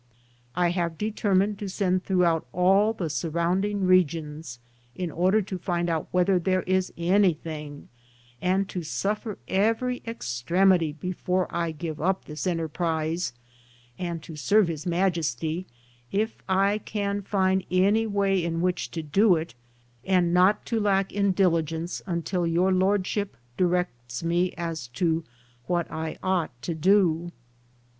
I have determined to send throughout all the surrounding regions, in order to find out whether there is anything, and to suffer every extremity before I give up this enter prise, and to serve His Majesty, if I can find 181 am Google THE JOURHBT OP CORONADO any way in which to do it, and not to lack in diligence until Your Lordship directs me as to what I ought to do.